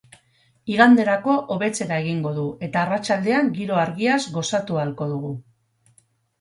Iganderako, hobetzera egingo du eta arratsaldean giro argiaz gozatu ahalko dugu.